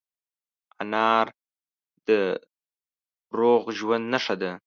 انار د روغ ژوند نښه ده.